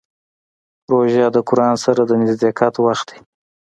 روژه د قرآن سره د نزدېکت وخت دی.